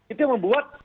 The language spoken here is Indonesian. itu yang membuat